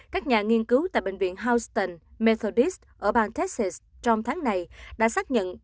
các nhà nghiên cứu tại bệnh viện houston methodist ở bang texas trong tháng này đã xác nhận